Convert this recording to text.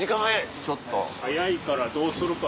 早いからどうするか。